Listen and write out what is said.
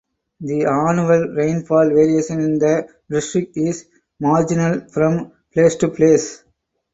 The annual rainfall variation in the district is marginal from place to place.